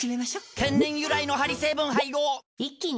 天然由来のハリ成分配合一気に！